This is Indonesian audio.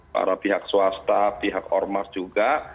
para pihak swasta pihak ormas juga